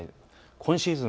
今シーズン